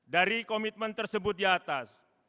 dari komitmen tersebut di atas